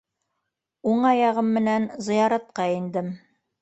Уң аяғым менән зыяратҡа индем.